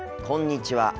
こんにちは。